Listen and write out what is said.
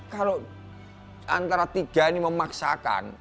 kalau antara tiga ini memaksakan